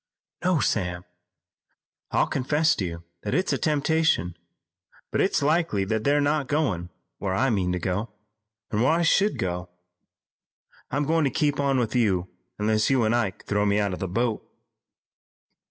"No, Sam. I'll confess to you that it's a temptation, but it's likely that they're not going where I mean to go, and where I should go. I'm going to keep on with you unless you and Ike throw me out of the boat."